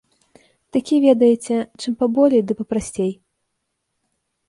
Такі, ведаеце, чым паболей ды папрасцей.